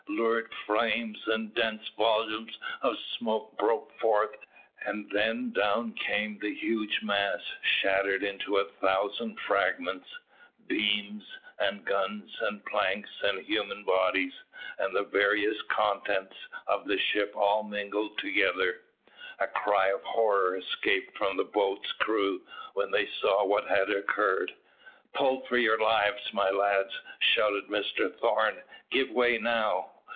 Lurid flames and dense volumes of smoke burst forth, and then down came the huge mass shattered into a thousand fragments; beams, and guns, and planks, and human bodies, and the various contents of the ship all mingled together. A cry of horror escaped from the boats' crews when they saw what had occurred. "Pull for your lives, my lads," shouted Mr Thorn. "Give way now."